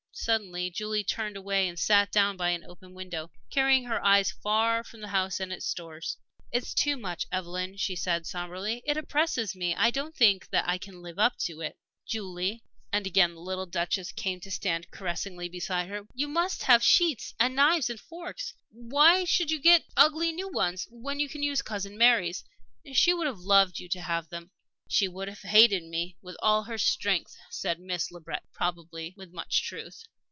Suddenly Julie turned away and sat down by an open window, carrying her eyes far from the house and its stores. "It is too much, Evelyn," she said, sombrely. "It oppresses me. I don't think I can live up to it." "Julie!" and again the little Duchess came to stand caressingly beside her. "Why, you must have sheets and knives and forks! Why should you get ugly new ones, when you can use Cousin Mary's? She would have loved you to have them." "She would have hated me with all her strength," said Miss Le Breton, probably with much truth.